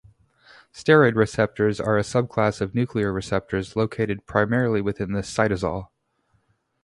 Steroid receptors are a subclass of nuclear receptors located primarily within the cytosol.